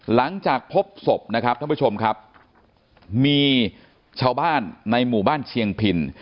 หลังจากพบศพนะครับท่านผู้ชมครับมีชาวบ้านในหมู่บ้านเชียงพิน